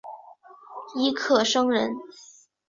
尹克升人。